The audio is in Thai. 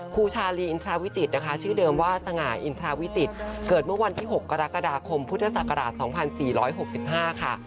ครูชาลีอินทราวิจิตรนะคะชื่อเดิมว่าสง่าอินทราวิจิตรเกิดเมื่อวันที่๖กรกฎาคมพุทธศักราช๒๔๖๕ค่ะ